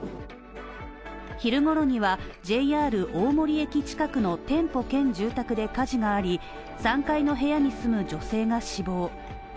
昼頃にはＪＲ大森駅近くの店舗兼住宅で火事があり３階の部屋に住む女性が死亡。